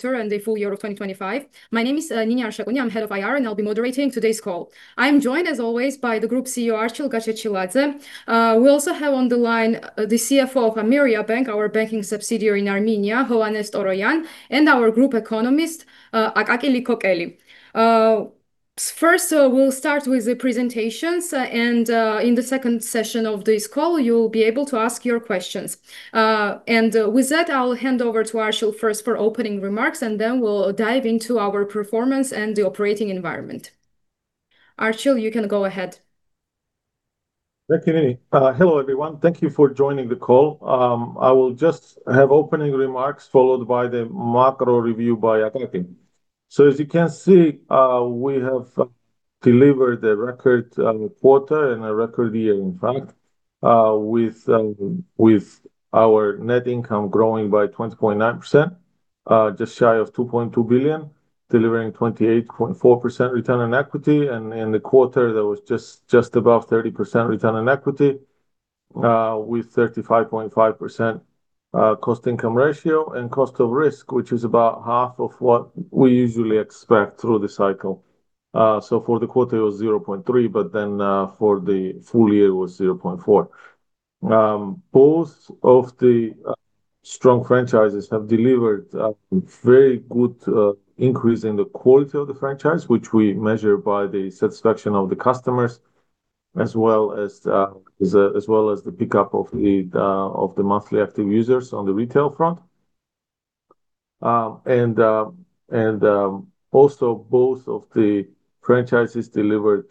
The Full Year of 2025. My name is, Ninia Arshakuni. I'm Head of IR, and I'll be moderating today's call. I'm joined, as always, by the Group CEO, Archil Gachechiladze. We also have on the line, the CFO of Ameriabank, our banking subsidiary in Armenia, Hovhannes Toroyan, and our Group Economist, Akaki Liqokeli. First, we'll start with the presentations, and in the second session of this call, you'll be able to ask your questions. With that, I'll hand over to Archil first for opening remarks, and then we'll dive into our performance and the operating environment. Archil, you can go ahead. Thank you, Ninia. Hello, everyone. Thank you for joining the call. I will just have opening remarks, followed by the macro review by Akaki. As you can see, we have delivered a record quarter and a record year, in fact, with our net income growing by 20.9%, just shy of $2.2 billion, delivering 28.4% return on equity, and in the quarter, that was just above 30% return on equity, with 35.5% cost-income ratio, and cost of risk, which is about half of what we usually expect through the cycle. For the quarter, it was 0.3, for the full year, it was 0.4. Both of the strong franchises have delivered a very good increase in the quality of the franchise, which we measure by the satisfaction of the customers, as well as the pickup of the monthly active users on the retail front. Also both of the franchises delivered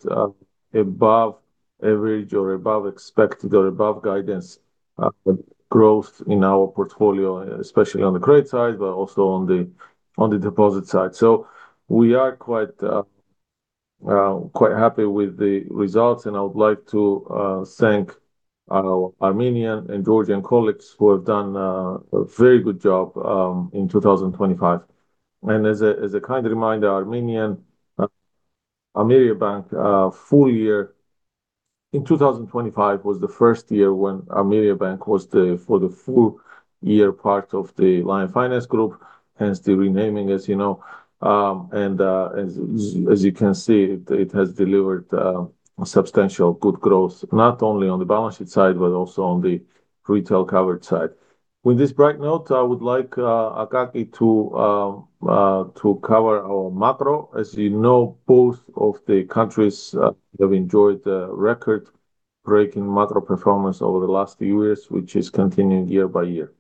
above average or above expected or above guidance growth in our portfolio, especially on the credit side, but also on the deposit side. We are quite quite happy with the results, and I would like to thank our Armenian and Georgian colleagues who have done a very good job in 2025. As a kind reminder, Armenian Ameriabank full year. In 2025 was the first year when Ameriabank was, for the full year, part of the Lion Finance Group, hence the renaming, as you know. As you can see, it has delivered substantial good growth, not only on the balance sheet side, but also on the retail covered side. With this bright note, I would like Akaki to cover our macro. As you know, both of the countries have enjoyed a record-breaking macro performance over the last few years, which is continuing year by year.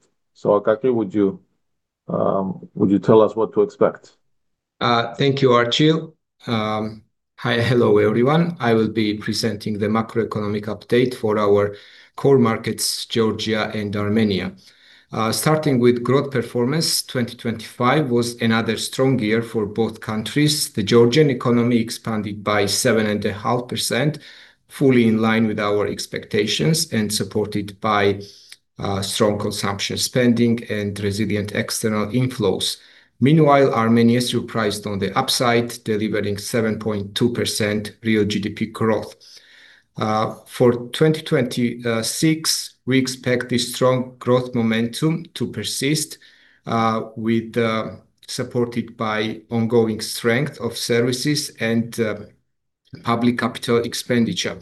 Akaki, would you tell us what to expect? Thank you, Archil. Hi, hello, everyone. I will be presenting the macroeconomic update for our core markets, Georgia and Armenia. Starting with growth performance, 2025 was another strong year for both countries. The Georgian economy expanded by 7.5%, fully in line with our expectations and supported by strong consumption spending and resilient external inflows. Meanwhile, Armenia surprised on the upside, delivering 7.2% real GDP growth. For 2026, we expect this strong growth momentum to persist, with supported by ongoing strength of services and public capital expenditure.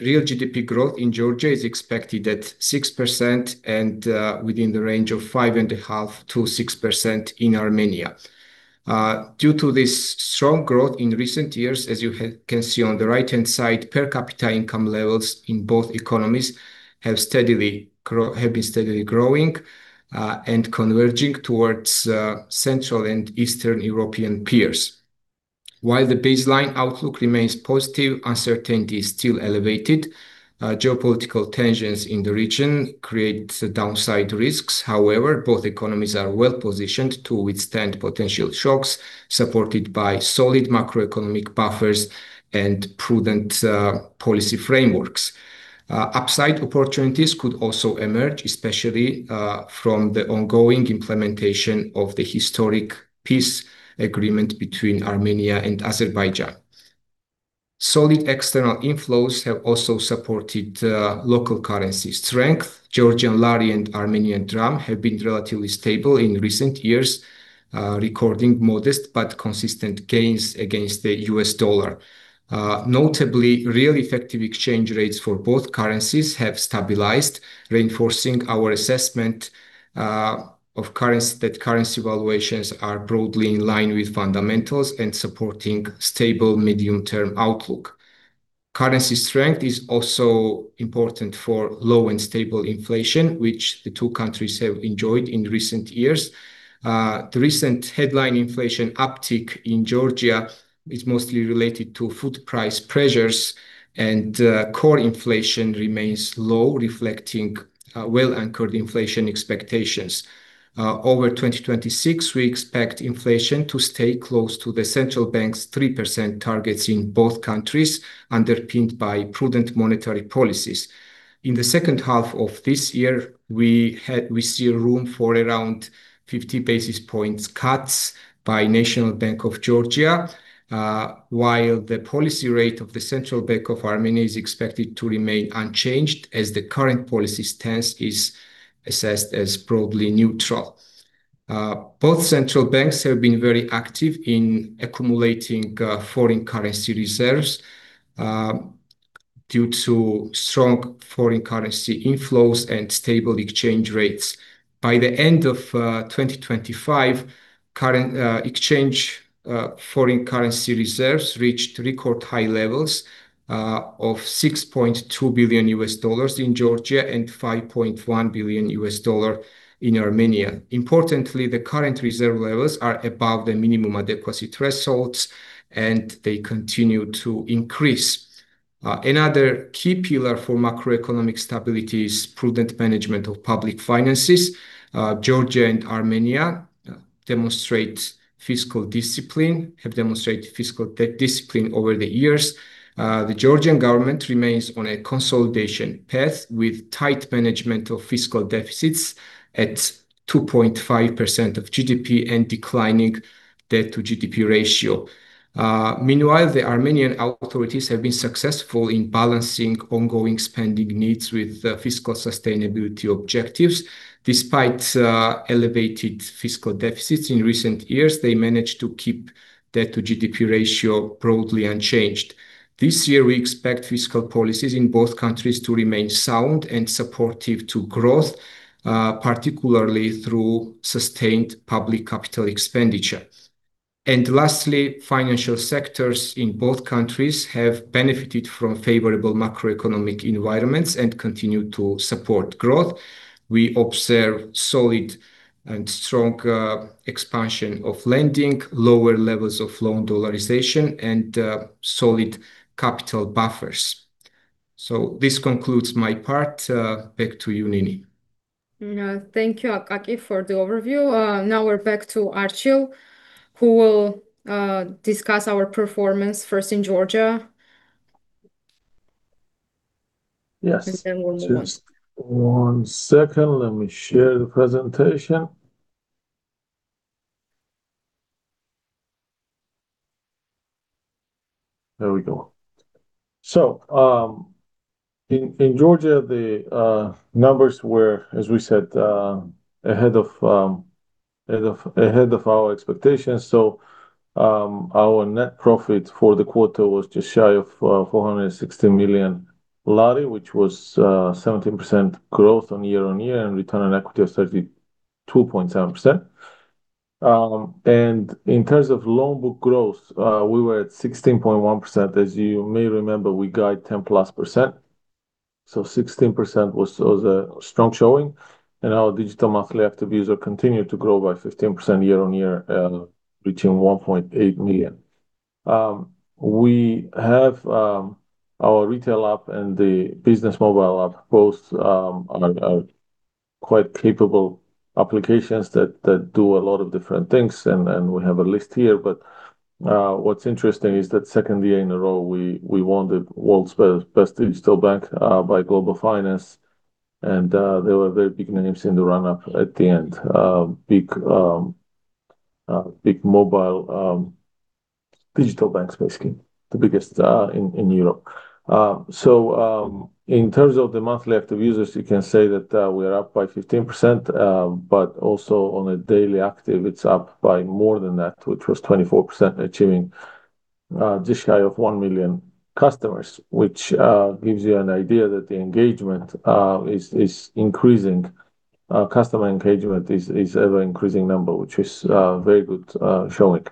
Real GDP growth in Georgia is expected at 6% and within the range of 5.5%-6% in Armenia. Due to this strong growth in recent years, as you can see on the right-hand side, per capita income levels in both economies have been steadily growing and converging towards Central and Eastern European peers. While the baseline outlook remains positive, uncertainty is still elevated. Geopolitical tensions in the region create downside risks. Both economies are well positioned to withstand potential shocks, supported by solid macroeconomic buffers and prudent policy frameworks. Upside opportunities could also emerge, especially from the ongoing implementation of the historic peace agreement between Armenia and Azerbaijan. Solid external inflows have also supported local currency strength. Georgian lari and Armenian dram have been relatively stable in recent years, recording modest but consistent gains against the US dollar. Notably, real effective exchange rates for both currencies have stabilized, reinforcing our assessment of currency, that currency valuations are broadly in line with fundamentals and supporting stable medium-term outlook. Currency strength is also important for low and stable inflation, which the two countries have enjoyed in recent years. The recent headline inflation uptick in Georgia is mostly related to food price pressures, and core inflation remains low, reflecting well-anchored inflation expectations. Over 2026, we expect inflation to stay close to the central bank's 3% targets in both countries, underpinned by prudent monetary policies. In the second half of this year, we see room for around 50 basis points cuts by National Bank of Georgia, while the policy rate of the Central Bank of Armenia is expected to remain unchanged, as the current policy stance is assessed as broadly neutral. Both central banks have been very active in accumulating, foreign currency reserves, due to strong foreign currency inflows and stable exchange rates. By the end of 2025, current, exchange, foreign currency reserves reached record high levels, of $6.2 billion in Georgia, and $5.1 billion in Armenia. Importantly, the current reserve levels are above the minimum adequacy thresholds, and they continue to increase. Another key pillar for macroeconomic stability is prudent management of public finances. Georgia and Armenia have demonstrated fiscal discipline over the years. The Georgian government remains on a consolidation path, with tight management of fiscal deficits at 2.5% of GDP and declining debt to GDP ratio. Meanwhile, the Armenian authorities have been successful in balancing ongoing spending needs with fiscal sustainability objectives. Despite elevated fiscal deficits in recent years, they managed to keep debt to GDP ratio broadly unchanged. This year, we expect fiscal policies in both countries to remain sound and supportive to growth, particularly through sustained public capital expenditure. Lastly, financial sectors in both countries have benefited from favorable macroeconomic environments and continue to support growth. We observe solid and strong expansion of lending, lower levels of loan dollarization, and solid capital buffers. This concludes my part. Back to you, Nini. You know, thank you, Akaki, for the overview. Now we're back to Archil, who will, discuss our performance first in Georgia. Yes. We'll move on. Just one second. Let me share the presentation. There we go. In Georgia, the numbers were, as we said, ahead of our expectations. Our net profit for the quarter was just shy of GEL 460 million, which was 17% growth on year-on-year and return on equity of 32.7%. In terms of loan book growth, we were at 16.1%. As you may remember, we guide +10%, 16% was a strong showing, and our digital monthly active user continued to grow by 15% year-on-year, reaching 1.8 million. We have our retail app and the business mobile app both are quite capable applications that do a lot of different things, and we have a list here. What's interesting is that second year in a row, we won the world's best digital bank by Global Finance, and there were very big names in the run-up at the end. Big mobile digital banks, basically, the biggest in Europe. In terms of the monthly active users, you can say that we are up by 15%, but also on a daily active, it's up by more than that, which was 24%, achieving just shy of 1 million customers, which gives you an idea that the engagement is increasing. Customer engagement is ever-increasing number, which is very good showing.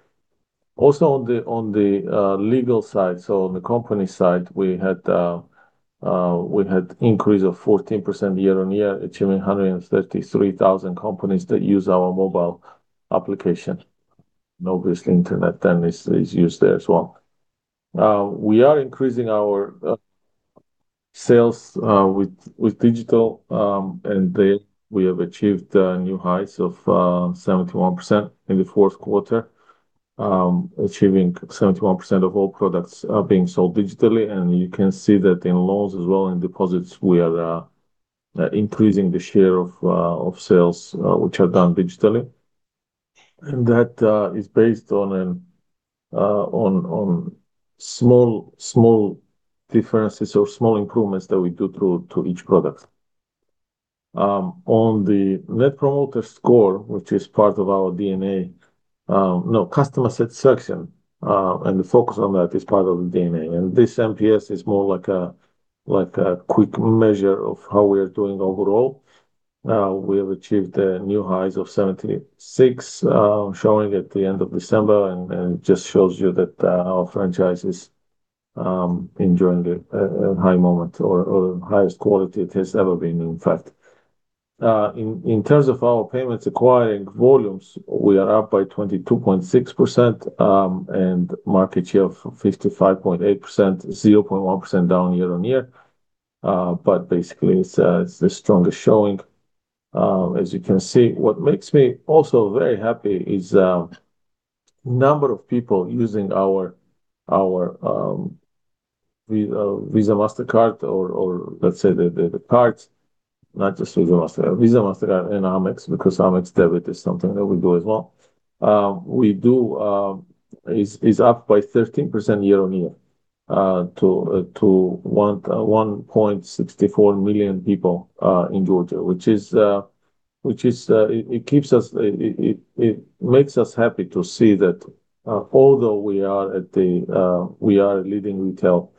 On the legal side, so on the company side, we had increase of 14% year-on-year, achieving 133,000 companies that use our mobile application, and obviously, Internet then is used there as well. We are increasing our sales with digital, and there we have achieved new heights of 71% in the Q4, achieving 71% of all products being sold digitally. You can see that in loans as well, in deposits, we are increasing the share of sales which are done digitally. That is based on an on small differences or small improvements that we do through to each product. On the Net Promoter Score, which is part of our DNA, no, customer satisfaction, and the focus on that is part of the DNA, and this NPS is more like a quick measure of how we are doing overall. We have achieved the new highs of 76, showing at the end of December. It just shows you that our franchise is enjoying a high moment or the highest quality it has ever been, in fact. In terms of our payments acquiring volumes, we are up by 22.6%, and market share of 55.8%, 0.1% down year-on-year. Basically, it's the strongest showing, as you can see. What makes me also very happy is, number of people using our Visa, Mastercard, or let's say the cards, not just Visa, Mastercard, Visa, Mastercard, and Amex, because Amex debit is something that we do as well, is up by 13% year-on-year. to 1.64 million people in Georgia, which is, it keeps us, it makes us happy to see that, although we are a leading retail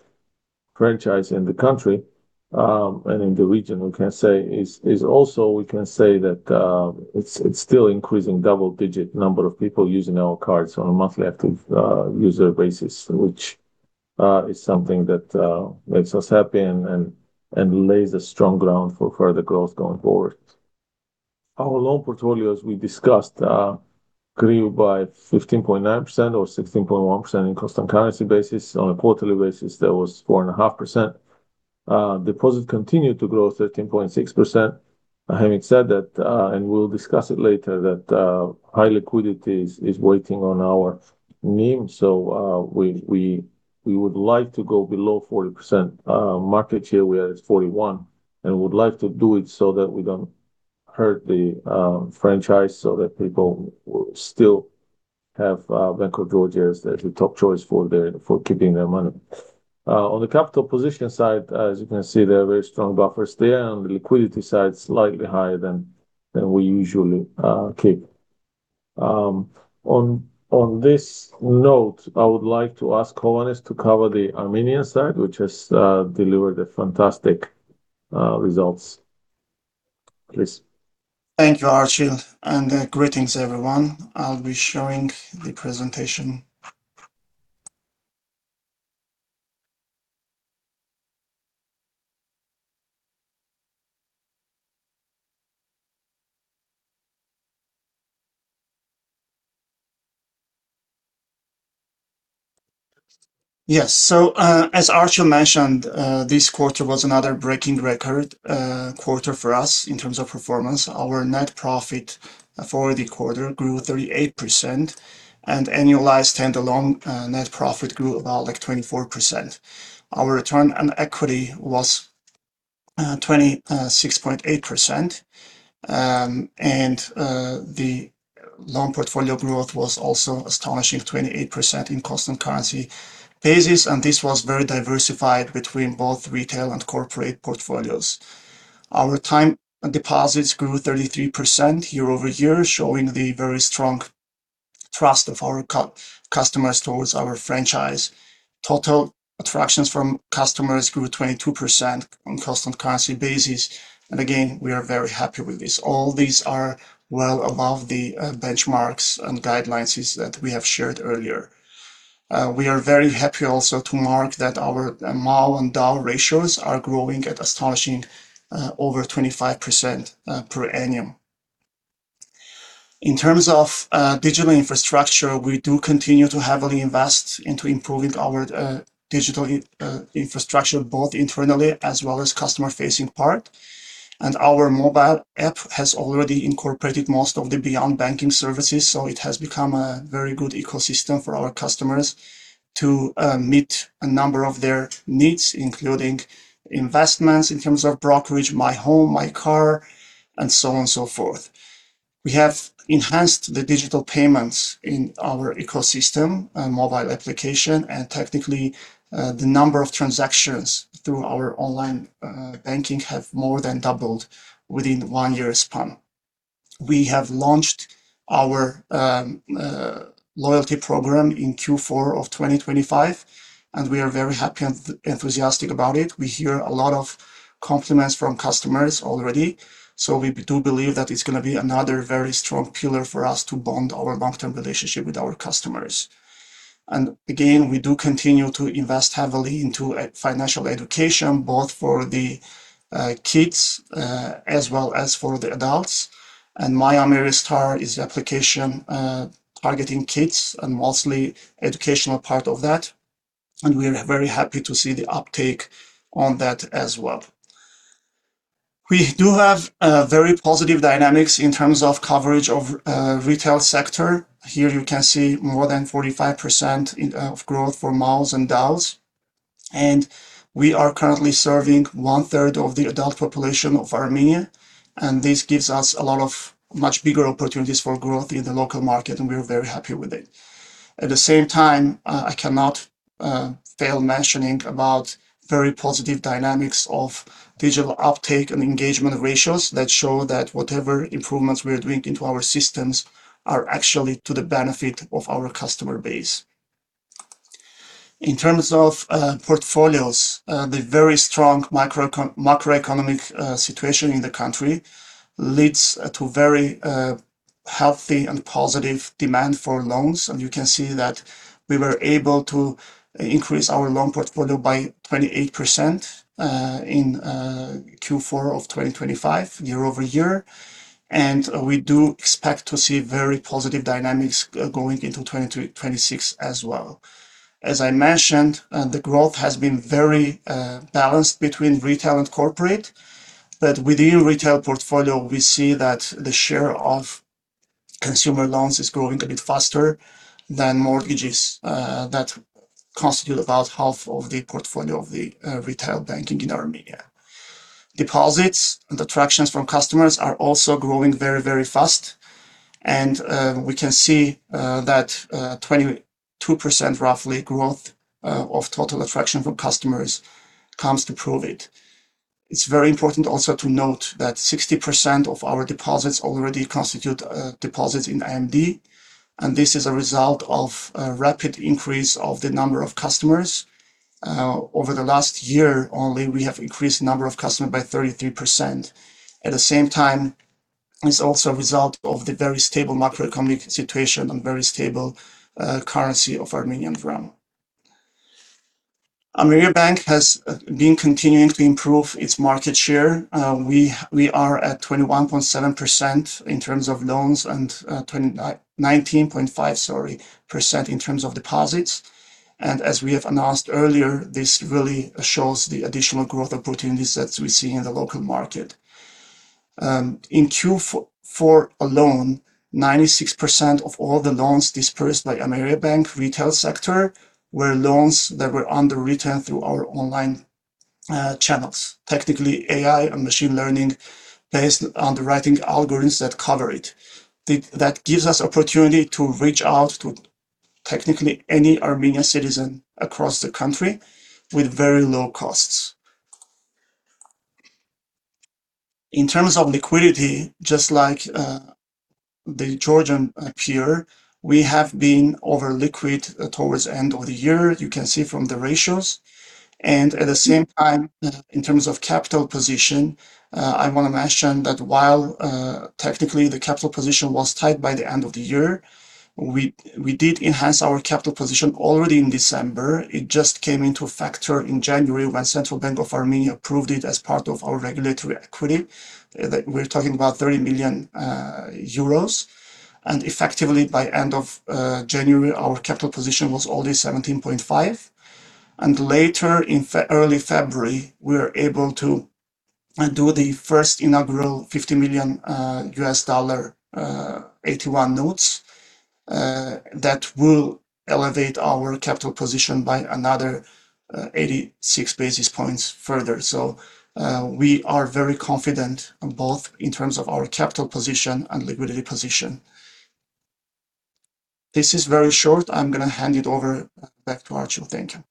franchise in the country, and in the region, we can say is also we can say that, it's still increasing double-digit number of people using our cards on a monthly active user basis, which is something that makes us happy and lays a strong ground for further growth going forward. Our loan portfolio, as we discussed, grew by 15.9% or 16.1% in constant currency basis. On a quarterly basis, that was 4.5%. Deposit continued to grow 13.6%. Having said that, we'll discuss it later, that high liquidity is waiting on our NIM, we would like to go below 40% market share, where it's 41, and we would like to do it so that we don't hurt the franchise, so that people will still have Bank of Georgia as the top choice for keeping their money. On the capital position side, as you can see, there are very strong buffers there, and on the liquidity side, slightly higher than we usually keep. On this note, I would like to ask Hovhannes to cover the Armenian side, which has delivered a fantastic results. Please. Thank you, Archil, greetings, everyone. I'll be sharing the presentation. Yes. As Archil mentioned, this quarter was another breaking record quarter for us in terms of performance. Our net profit for the quarter grew 38%, and annualized stand-alone net profit grew 24%. Our return on equity was 26.8%, and the loan portfolio growth was also astonishing, 28% in constant currency basis, and this was very diversified between both retail and corporate portfolios. Our time deposits grew 33% year-over-year, showing the very strong trust of our customers towards our franchise. Total attractions from customers grew 22% on constant currency basis, and again, we are very happy with this. All these are well above the benchmarks and guidelines that we have shared earlier. We are very happy also to mark that our MAL and DAL ratios are growing at astonishing, over 25% per annum. In terms of digital infrastructure, we do continue to heavily invest into improving our digital infrastructure, both internally as well as customer-facing part. Our mobile app has already incorporated most of the beyond banking services, so it has become a very good ecosystem for our customers to meet a number of their needs, including investments in terms of brokerage, my home, my car, and so on and so forth. We have enhanced the digital payments in our ecosystem and mobile application, and technically, the number of transactions through our online banking have more than doubled within one year span. We have launched our loyalty program in Q4 of 2025, and we are very happy and enthusiastic about it. We hear a lot of compliments from customers already, we do believe that it's gonna be another very strong pillar for us to bond our long-term relationship with our customers. Again, we do continue to invest heavily into financial education, both for the kids as well as for the adults. My Amiris Star is the application targeting kids and mostly educational part of that, and we are very happy to see the uptake on that as well. We do have very positive dynamics in terms of coverage of retail sector. Here you can see more than 45% of growth for MALs and DALs. We are currently serving 1/3 of the adult population of Armenia. This gives us a lot of much bigger opportunities for growth in the local market. We are very happy with it. At the same time, I cannot fail mentioning about very positive dynamics of digital uptake and engagement ratios that show that whatever improvements we are doing into our systems are actually to the benefit of our customer base. In terms of portfolios, the very strong macroeconomic situation in the country leads to very healthy and positive demand for loans. You can see that we were able to increase our loan portfolio by 28% in Q4 of 2025 year-over-year. We do expect to see very positive dynamics going into 2026 as well. As I mentioned, the growth has been very balanced between retail and corporate, but within retail portfolio, we see that the share of consumer loans is growing a bit faster than mortgages that constitute about half of the portfolio of the retail banking in Armenia. Deposits and attractions from customers are also growing very, very fast. We can see that 22%, roughly, growth of total attraction for customers comes to prove it. It's very important also to note that 60% of our deposits already constitute deposits in AMD, and this is a result of a rapid increase of the number of customers. Over the last year only, we have increased the number of customers by 33%. At the same time, it's also a result of the very stable macroeconomic situation and very stable currency of Armenian dram. Ameriabank has been continuing to improve its market share. We are at 21.7% in terms of loans and 19.5%, sorry, in terms of deposits. As we have announced earlier, this really shows the additional growth opportunities that we see in the local market. In Q4 alone, 96% of all the loans dispersed by Ameriabank retail sector were loans that were underwritten through our online channels. Technically, AI and machine learning based underwriting algorithms that cover it. That gives us opportunity to reach out to technically any Armenian citizen across the country with very low costs. In terms of liquidity, just like the Georgian peer, we have been over-liquid towards the end of the year, you can see from the ratios. At the same time, in terms of capital position, I want to mention that while technically the capital position was tight by the end of the year, we did enhance our capital position already in December. It just came into effect in January, when Central Bank of Armenia approved it as part of our regulatory equity. We're talking about 30 million euros, and effectively, by end of January, our capital position was already 17.5%. Later, in early February, we were able to do the first inaugural $50 million AT1 notes that will elevate our capital position by another 86 basis points further. We are very confident both in terms of our capital position and liquidity position. This is very short. I'm going to hand it over back to Archie. Thank you.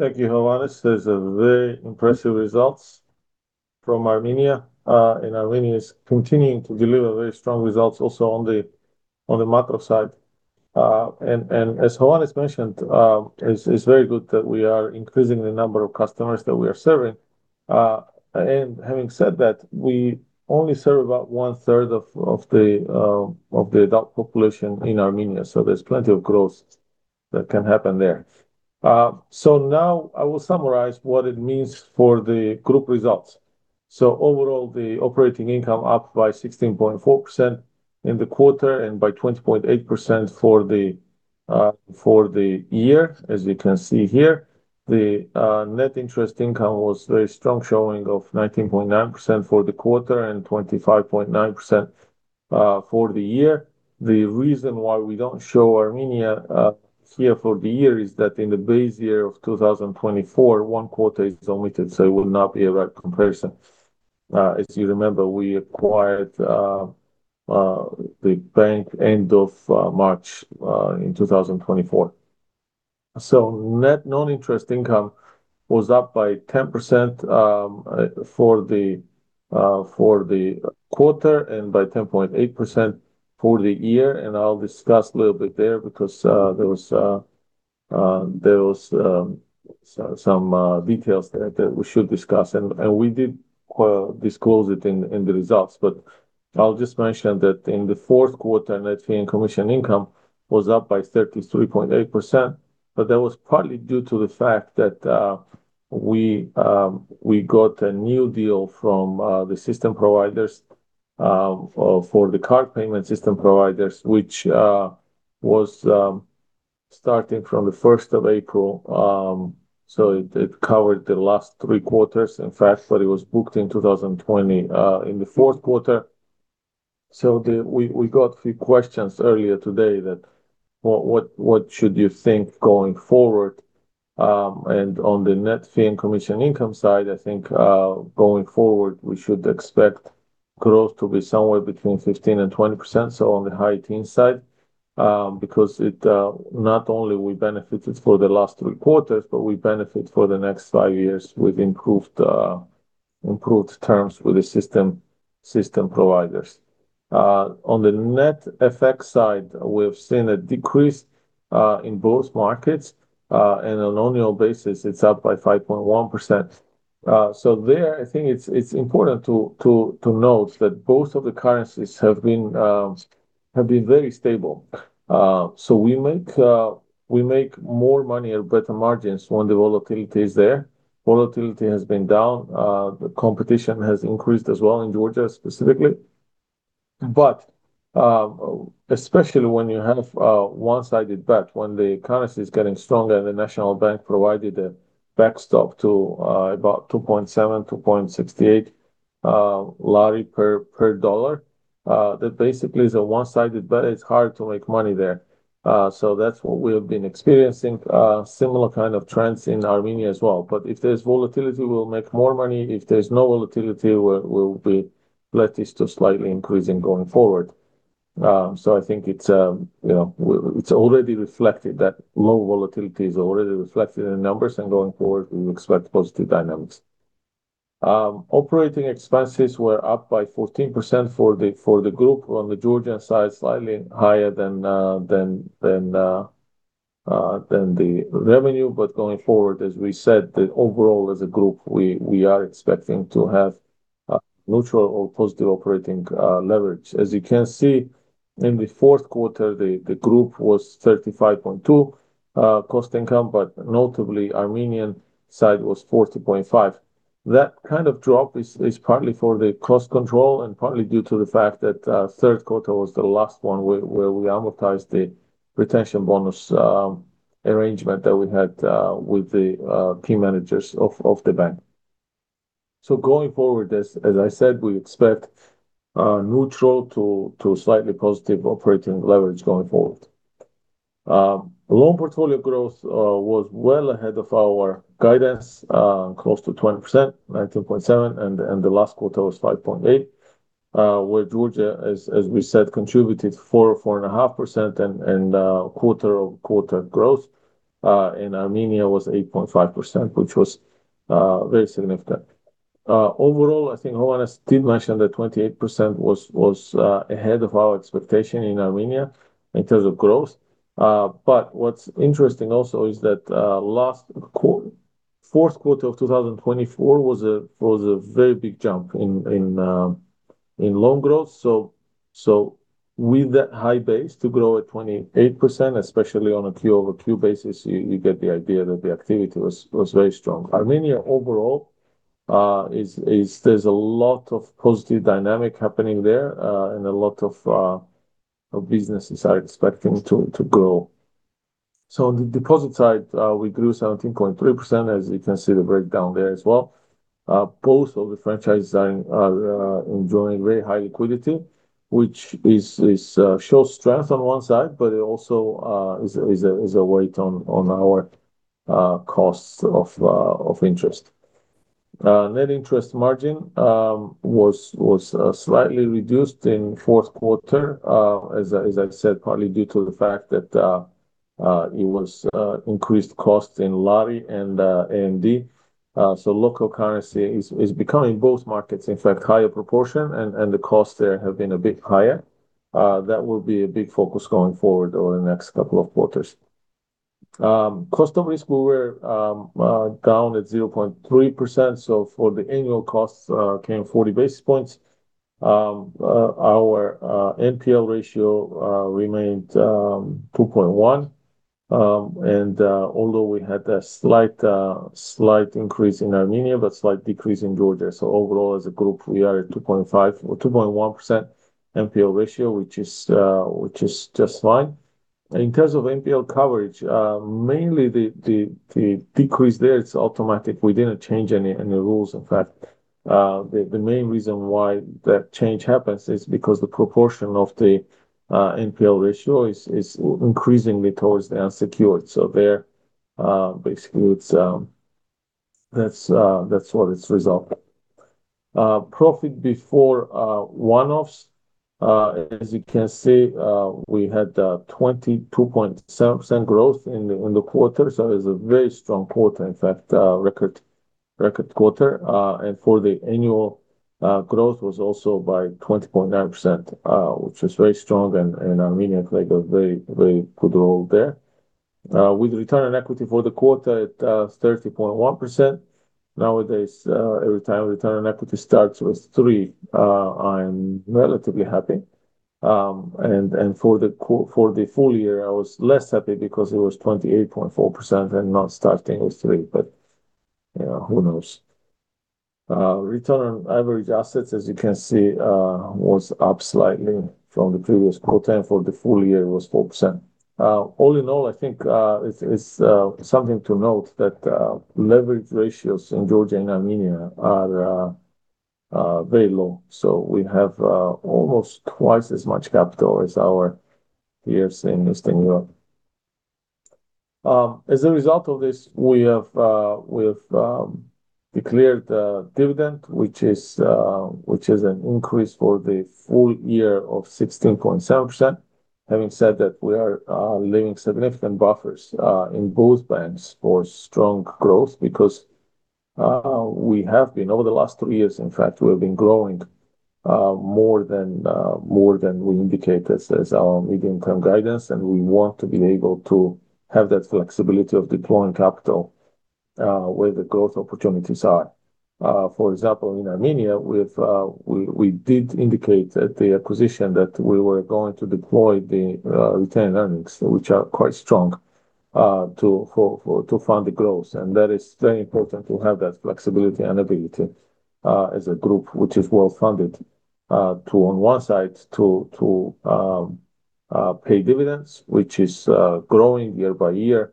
Thank you, Hovhannes. Those are very impressive results from Armenia. Armenia is continuing to deliver very strong results also on the macro side. As Hovhannes mentioned, it's very good that we are increasing the number of customers that we are serving. Having said that, we only serve about one third of the adult population in Armenia, so there's plenty of growth that can happen there. Now I will summarize what it means for the group results. Overall, the operating income up by 16.4% in the quarter and by 20.8% for the year. As you can see here, the net interest income was very strong, showing of 19.9% for the quarter and 25.9% for the year. The reason why we don't show Armenia here for the year is that in the base year of 2024, one quarter is omitted, so it would not be a right comparison. If you remember, we acquired the bank end of March in 2024. Net non-interest income was up by 10% for the quarter and by 10.8% for the year. I'll discuss a little bit there because there was some details there that we should discuss, and we did disclose it in the results. I'll just mention that in the Q4, net fee and commission income was up by 33.8%, but that was partly due to the fact that we got a new deal from the system providers for the card payment system providers, which was starting from the 1st of April. So it covered the last three quarters, in fact, but it was booked in 2020 in the Q4. We got a few questions earlier today that what should you think going forward? On the net fee and commission income side, I think, going forward, we should expect growth to be somewhere between 15%-20%. On the high teens side, because it, not only we benefited for the last three quarters, but we benefit for the next five years with improved terms with the system providers. On the net effect side, we have seen a decrease in both markets, and on an annual basis, it's up by 5.1%. There, I think it's important to note that both of the currencies have been very stable. We make more money at better margins when the volatility is there. Volatility has been down. The competition has increased as well in Georgia, specifically. Especially when you have a one-sided bet, when the currency is getting stronger and the National Bank of Georgia provided a backstop to about 2.7-2.68 GEL per dollar, that basically is a one-sided bet, it's hard to make money there. That's what we have been experiencing, similar kind of trends in Armenia as well. If there's volatility, we'll make more money. If there's no volatility, we'll be flattish to slightly increasing going forward. I think it's, you know, it's already reflected, that low volatility is already reflected in the numbers, and going forward, we expect positive dynamics. Operating expenses were up by 14% for the group on the Georgian side, slightly higher than the revenue. Going forward, as we said, that overall as a group, we are expecting to have neutral or positive operating leverage. As you can see, in the Q4, the group was 35.2% cost income, but notably Armenian side was 40.5%. That kind of drop is partly for the cost control and partly due to the fact that Q3 was the last one where we amortized the retention bonus arrangement that we had with the key managers of the bank. Going forward, as I said, we expect neutral to slightly positive operating leverage going forward. Loan portfolio growth was well ahead of our guidance, close to 20%, 19.7%, and the last quarter was 5.8%. Where Georgia as we said, contributed 4.5% and quarter-over-quarter growth, and Armenia was 8.5%, which was very significant. Overall, I think Hovannes did mention that 28% was ahead of our expectation in Armenia in terms of growth. What's interesting also is that last quarter, Q4 of 2024 was a very big jump in loan growth, so with that high base to grow at 28%, especially on a Q over Q basis, you get the idea that the activity was very strong. Armenia overall, is there's a lot of positive dynamic happening there, and a lot of businesses are expecting to grow. On the deposit side, we grew 17.3%, as you can see the breakdown there as well. Both of the franchises are enjoying very high liquidity, which is shows strength on one side, but it also is a weight on our costs of interest. Net interest margin was slightly reduced in Q4, as I said, partly due to the fact that it was increased costs in GEL and AMD. Local currency is becoming both markets, in fact, higher proportion, and the costs there have been a bit higher. That will be a big focus going forward over the next couple of quarters. Cost of risk were down at 0.3%. For the annual costs came 40 basis points. Our NPL ratio remained 2.1. Although we had a slight increase in Armenia, but slight decrease in Georgia, overall, as a group, we are at 2.5% or 2.1% NPL ratio, which is just fine. In terms of NPL coverage, mainly the decrease there, it's automatic. We didn't change any rules. In fact, the main reason why that change happens is because the proportion of the NPL ratio is increasingly towards the unsecured. There, basically, it's that's what it's result. Profit before one-offs, as you can see, we had 22.7% growth in the quarter. It's a very strong quarter, in fact, record quarter. For the annual growth was also by 20.9%, which is very strong, and Armenia played a very, very good role there. With Return on Equity for the quarter at 30.1%. Nowadays, every time Return on Equity starts with three, I'm relatively happy. For the full year, I was less happy because it was 28.4% and not starting with three, you know, who knows? Return on Average Assets, as you can see, was up slightly from the previous quarter. For the full year, it was 4%. All in all, I think it's something to note that leverage ratios in Georgia and Armenia are very low. We have almost twice as much capital as our peers in Eastern Europe. As a result of this, we have declared a dividend, which is an increase for the full year of 16.7%. Having said that, we are leaving significant buffers in both banks for strong growth because over the last two years, in fact, we have been growing more than more than we indicated as our medium-term guidance, and we want to be able to have that flexibility of deploying capital where the growth opportunities are. For example, in Armenia, we did indicate that the acquisition that we were going to deploy the retained earnings, which are quite strong, to fund the growth. That is very important to have that flexibility and ability as a group, which is well-funded, to on one side, to pay dividends, which is growing year by year.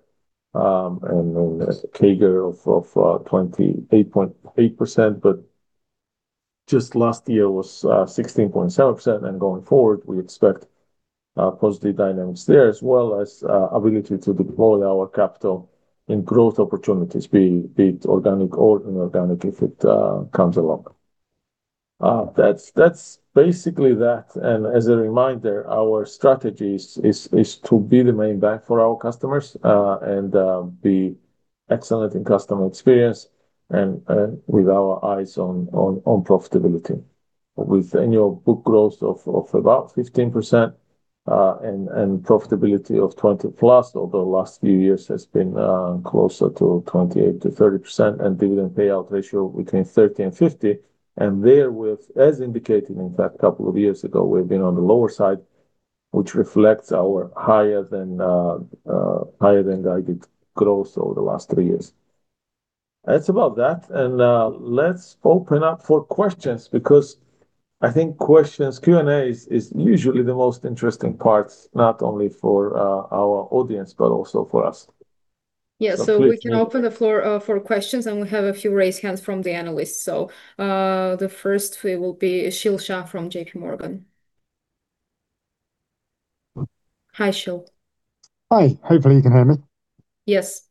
A CAGR of 28.8%, but just last year was 16.7%. Going forward, we expect positive dynamics there, as well as ability to deploy our capital in growth opportunities, be it organic or inorganic, if it comes along. That's basically that. As a reminder, our strategy is to be the main bank for our customers, and be excellent in customer experience and with our eyes on profitability. With annual book growth of about 15%, and profitability of 20+, over the last few years has been closer to 28%-30%, and dividend payout ratio between 30% and 50%. There as indicated, in fact, a couple of years ago, we've been on the lower side, which reflects our higher than higher than guided growth over the last 3 years. That's about that. Let's open up for questions, because I think questions, Q&A is usually the most interesting part, not only for our audience, but also for us. Yeah. So please- We can open the floor for questions, and we have a few raised hands from the analysts. The first will be Sheel Shah from J.P. Morgan. Hi, Shil. Hi. Hopefully you can hear me. Yes.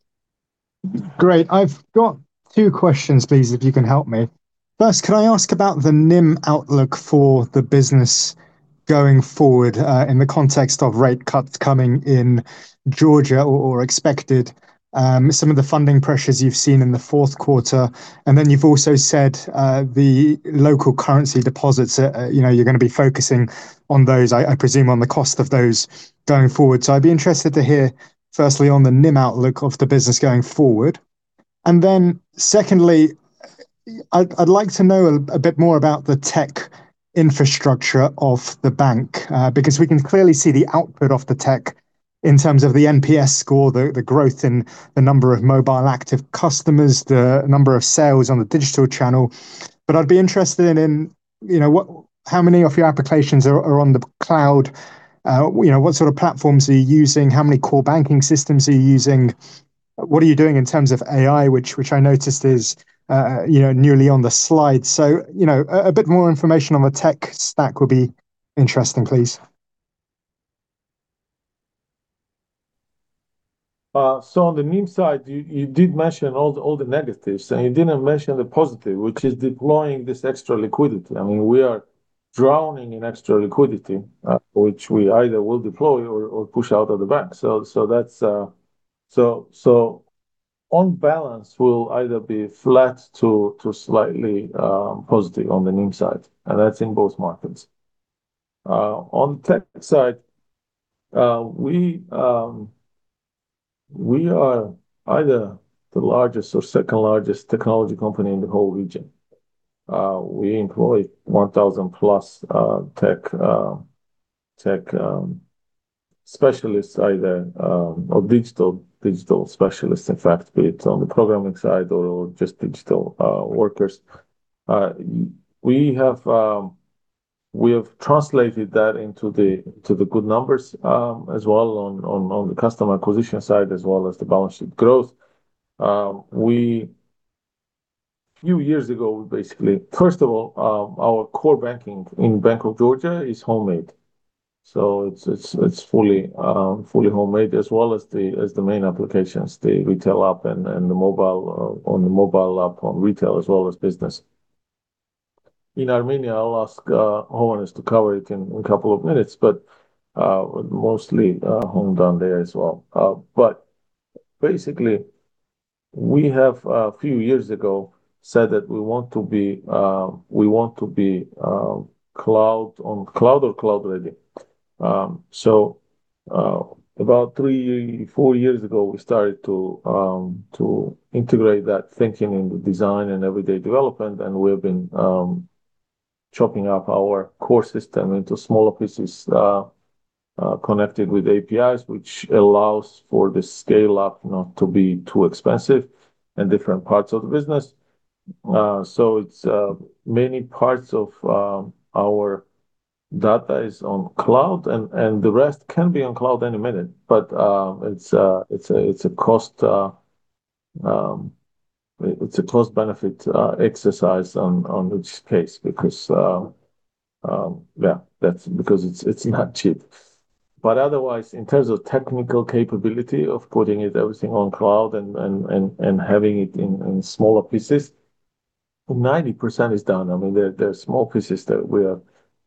Great. I've got two questions, please, if you can help me. First, can I ask about the NIM outlook for the business going forward, in the context of rate cuts coming in Georgia or expected, some of the funding pressures you've seen in the Q4, and then you've also said, the local currency deposits, you know, you're going to be focusing on those, I presume, on the cost of those going forward. I'd be interested to hear, firstly, on the NIM outlook of the business going forward. Secondly, I'd like to know a bit more about the tech infrastructure of the bank, because we can clearly see the output of the tech in terms of the NPS score, the growth in the number of mobile active customers, the number of sales on the digital channel. I'd be interested in, you know, how many of your applications are on the cloud? You know, what sort of platforms are you using? How many core banking systems are you using? What are you doing in terms of AI, which I noticed is, you know, newly on the slide. You know, a bit more information on the tech stack would be interesting, please. On the NIM side, you did mention all the negatives, and you didn't mention the positive, which is deploying this extra liquidity. I mean, we are drowning in extra liquidity, which we either will deploy or push out of the bank. On balance, we'll either be flat to slightly positive on the NIM side, and that's in both markets. On the tech side, we are either the largest or second largest technology company in the whole region. We employ 1,000+ tech specialists, either or digital specialists, in fact, be it on the programming side or just digital workers. We have translated that into the good numbers as well on the customer acquisition side, as well as the balance sheet growth. A few years ago, basically. First of all, our core banking in Bank of Georgia is homemade. It's fully homemade, as well as the main applications, the retail app and the mobile app, on retail, as well as business. In Armenia, I'll ask Owen to cover it in a couple of minutes, but mostly home done there as well. Basically, we have, a few years ago, said that we want to be cloud, on cloud or cloud ready. So, about three, four years ago, we started to integrate that thinking into design and everyday development, and we've been chopping up our core system into smaller pieces, connected with APIs, which allows for the scale-up not to be too expensive in different parts of the business. It's many parts of our data is on cloud, and the rest can be on cloud any minute, but it's a cost, it's a cost-benefit exercise on each case because, yeah, that's because it's not cheap. But otherwise, in terms of technical capability of putting it everything on cloud and having it in smaller pieces, 90% is done. I mean, there are small pieces that we are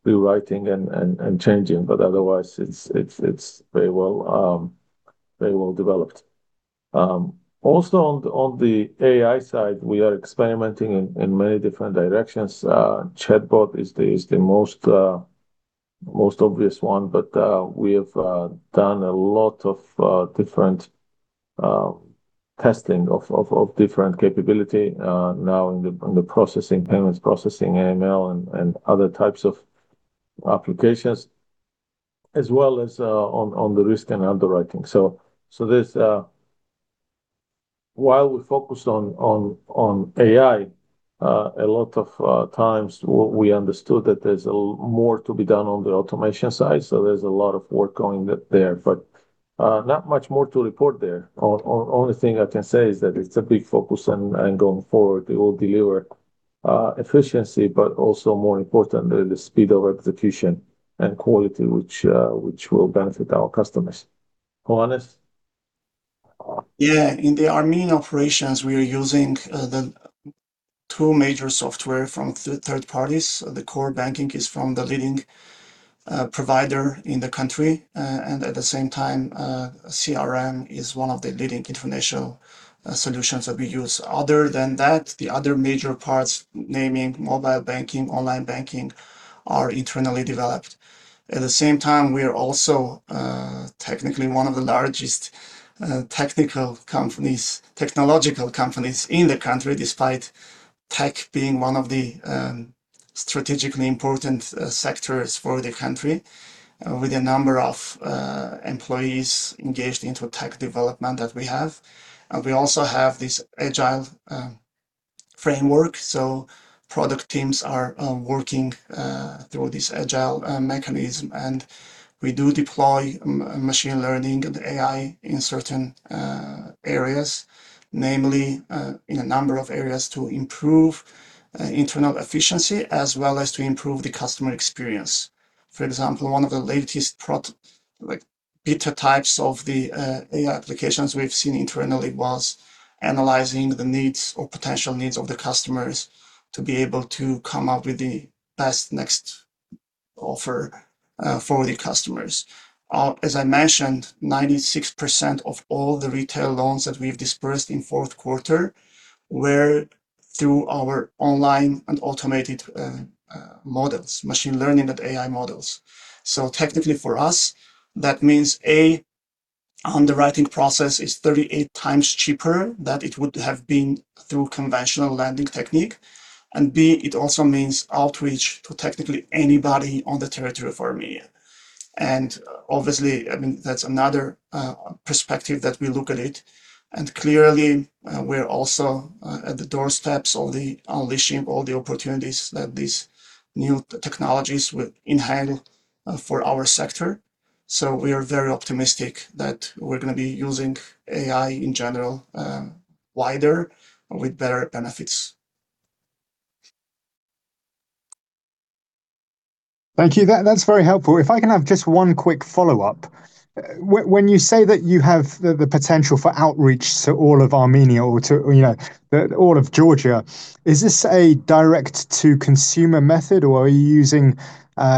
rewriting and changing, but otherwise, it's very well developed. Also on the AI side, we are experimenting in many different directions. Chatbot is the most obvious one, but we have done a lot of different testing of different capability now in the processing, payments processing, AML, and other types of applications, as well as on the risk and underwriting. While we focus on AI a lot of times we understood that there's more to be done on the automation side, so there's a lot of work going there. Not much more to report there. Only thing I can say is that it's a big focus and going forward, it will deliver efficiency, but also more importantly, the speed of execution and quality, which will benefit our customers. Hovhannes? Yeah, in the Armenian operations, we are using the two major software from third parties. The core banking is from the leading provider in the country. At the same time, CRM is one of the leading international solutions that we use. Other than that, the other major parts, namely mobile banking, online banking, are internally developed. At the same time, we are also technically one of the largest technological companies in the country, despite tech being one of the strategically important sectors for the country, with a number of employees engaged into tech development that we have. We also have this Agile framework, so product teams are working through this Agile mechanism. We do deploy machine learning and AI in certain areas, namely, in a number of areas to improve internal efficiency, as well as to improve the customer experience. For example, one of the latest beta types of the AI applications we've seen internally was analyzing the needs or potential needs of the customers to be able to come up with the best next offer for the customers. As I mentioned, 96% of all the retail loans that we've disbursed in Q4 were through our online and automated models, machine learning and AI models. Technically, for us, that means, A, underwriting process is 38x cheaper than it would have been through conventional lending technique, and, B, it also means outreach to technically anybody on the territory of Armenia. obviously, I mean, that's another perspective that we look at it, and clearly, we're also at the doorsteps of the unleashing all the opportunities that these new technologies will enhance for our sector. We are very optimistic that we're gonna be using AI in general, wider with better benefits. Thank you. That's very helpful. If I can have just one quick follow-up. When you say that you have the potential for outreach to all of Armenia or to, you know, all of Georgia, is this a direct-to-consumer method, or are you using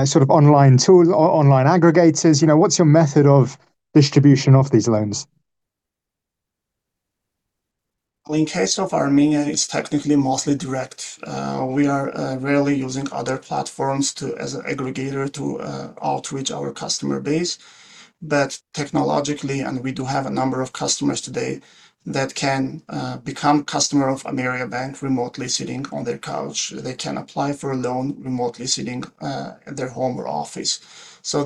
sort of online tool or online aggregators? You know, what's your method of distribution of these loans? In case of Armenia, it's technically mostly direct. We are rarely using other platforms to as an aggregator to outreach our customer base. Technologically, and we do have a number of customers today that can become customer of Ameriabank remotely sitting on their couch. They can apply for a loan remotely sitting at their home or office.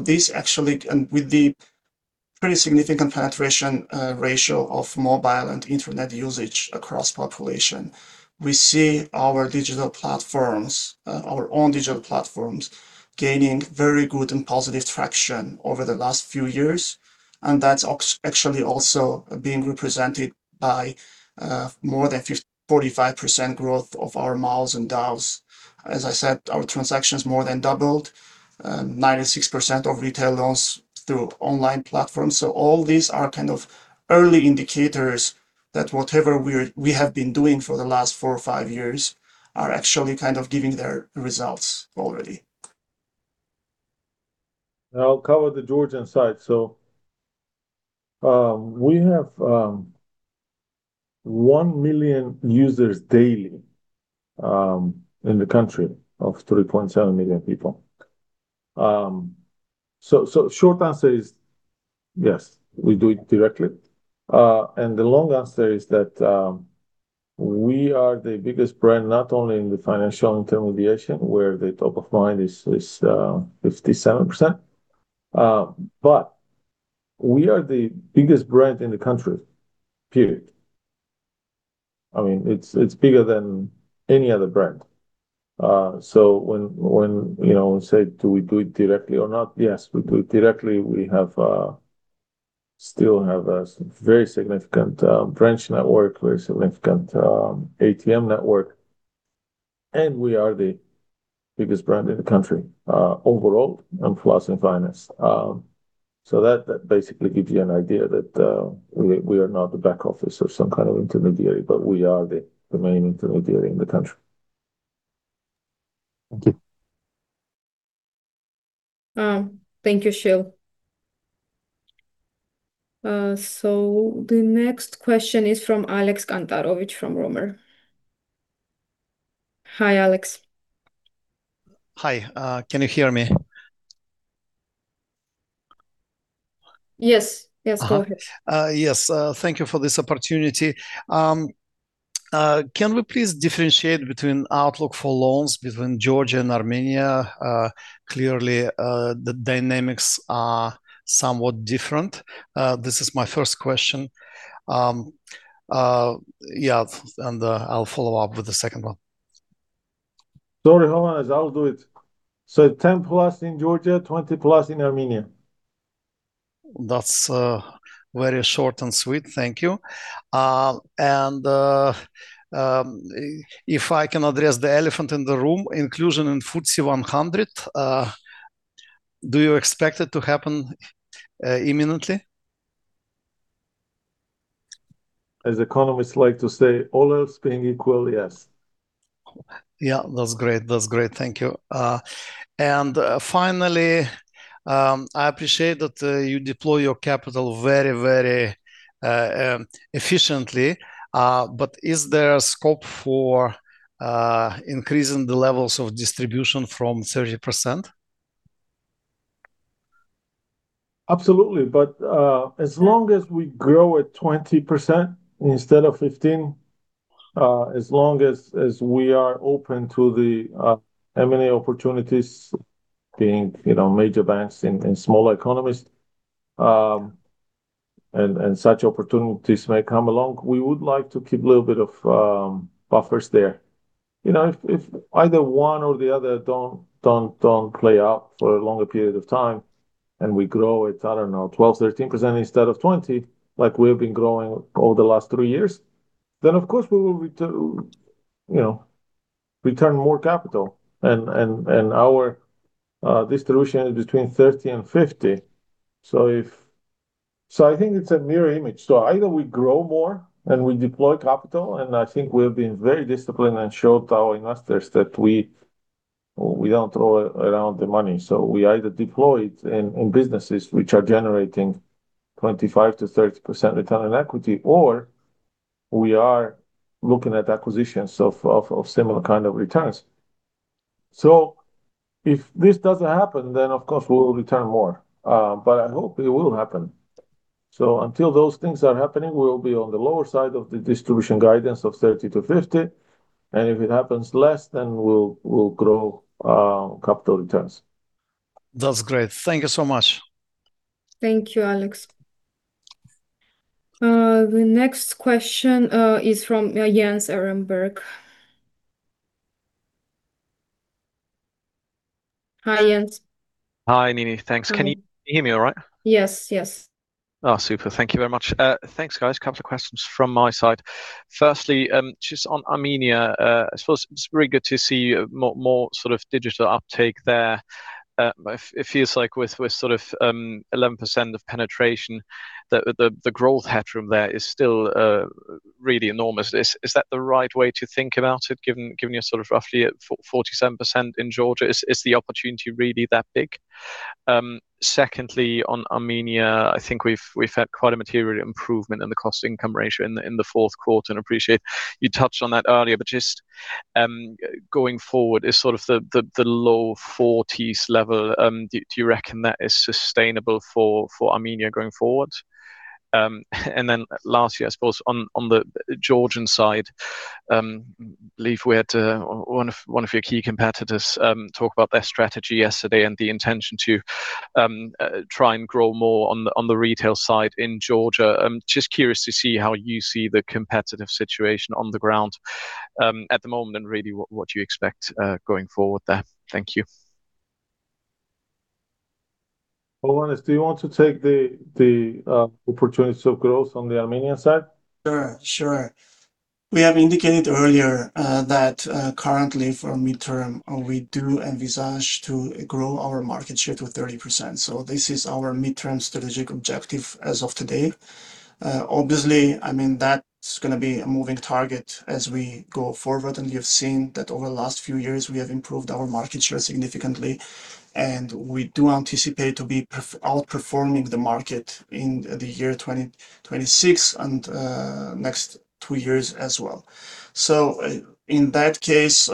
This actually... and with the pretty significant penetration ratio of mobile and internet usage across population, we see our digital platforms, our own digital platforms, gaining very good and positive traction over the last few years, and that's actually also being represented by more than 45% growth of our MALs and DALS. Our transactions more than doubled, and 96% of retail loans through online platforms. All these are kind of early indicators that whatever we have been doing for the last four or five years are actually kind of giving their results already. I'll cover the Georgian side. We have 1 million users daily in the country of 3.7 million people. Short answer is, yes, we do it directly. The long answer is that we are the biggest brand, not only in the financial intermediation, where the top of mind is 57%, but we are the biggest brand in the country, period. I mean, it's bigger than any other brand. When, you know, say, do we do it directly or not? Yes, we do it directly. We still have a very significant branch network, very significant ATM network, and we are the biggest brand in the country overall, and plus in finance. That basically gives you an idea that we are not a back office or some kind of intermediary, but we are the main intermediary in the country. Thank you. Thank you, Shil. The next question is from Alex Kantarovich from Roemer Capital. Hi, Alex. Hi, can you hear me? Yes. Yes, go ahead. Yes, thank you for this opportunity. Can we please differentiate between outlook for loans between Georgia and Armenia? Clearly, the dynamics are somewhat different. This is my first question. Yeah, and, I'll follow up with the second one. Sorry, Hovhannes, I'll do it. 10 plus in Georgia, 20 plus in Armenia. That's very short and sweet. Thank you. If I can address the elephant in the room, inclusion in FTSE 100, do you expect it to happen imminently? As economists like to say, all else being equal, yes. Yeah, that's great. That's great, thank you. Finally, I appreciate that you deploy your capital very, very efficiently, but is there a scope for increasing the levels of distribution from 30%? Absolutely. As long as we grow at 20% instead of 15%, as long as we are open to the M&A opportunities being, you know, major banks in smaller economies, and such opportunities may come along. We would like to keep a little bit of buffers there. You know, if either one or the other don't play out for a longer period of time and we grow at, I don't know, 12%-13% instead of 20%, like we have been growing over the last three years, then of course we will return, you know, return more capital. Our distribution is between 30% and 50%. I think it's a mirror image. Either we grow more and we deploy capital, and I think we've been very disciplined and showed our investors that we don't throw around the money, so we either deploy it in businesses which are generating 25%-30% return on equity, or we are looking at acquisitions of similar kind of returns. If this doesn't happen, then, of course, we will return more, but I hope it will happen. Until those things are happening, we will be on the lower side of the distribution guidance of 30%-50%, and if it happens less, then we'll grow capital returns. That's great. Thank you so much. Thank you, Alex. The next question is from Jens Ehrenberg. Hi, Jens. Hi, Nini. Thanks. Can you hear me all right? Yes. Yes. Super. Thank you very much. Thanks, guys. Firstly, just on Armenia, I suppose it's very good to see more sort of digital uptake there. It feels like with sort of 11% of penetration, the growth headroom there is still really enormous. Is that the right way to think about it, given you're sort of roughly at 47% in Georgia? Is the opportunity really that big? Secondly, on Armenia, I think we've had quite a material improvement in the cost-income ratio in the Q4, and I appreciate you touched on that earlier, but just going forward, is sort of the low 40s level, do you reckon that is sustainable for Armenia going forward? Lastly, I suppose on the Georgian side, believe we had one of your key competitors talk about their strategy yesterday and the intention to try and grow more on the retail side in Georgia. I'm just curious to see how you see the competitive situation on the ground at the moment, and really, what you expect going forward there. Thank you. Hovhannes, do you want to take the opportunities of growth on the Armenian side? Sure, sure. We have indicated earlier that currently for midterm, we do envisage to grow our market share to 30%, so this is our midterm strategic objective as of today. Obviously, I mean, that's gonna be a moving target as we go forward, and you've seen that over the last few years, we have improved our market share significantly, and we do anticipate to be outperforming the market in the year 2026, and next two years as well. In that case,